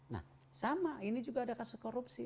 nah sama ini juga ada kasus korupsi